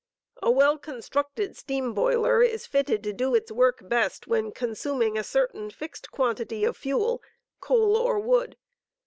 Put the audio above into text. A well constructed steam boiler is fitted to do its work best when con suming a certain fixed quantity of fuel (coal or wood).